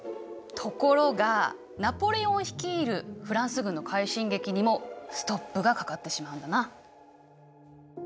ところがナポレオン率いるフランス軍の快進撃にもストップがかかってしまうんだな。